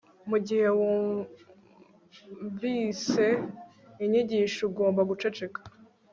Mugihe wunvise inyigisho ugomba guceceka